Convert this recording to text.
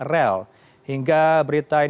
rel hingga berita ini